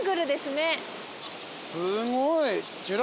すごい。